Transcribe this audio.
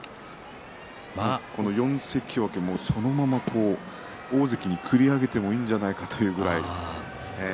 ４関脇も、そのまま大関に繰り上げてもいいんじゃないかというくらい。